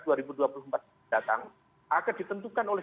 datang akan ditentukan oleh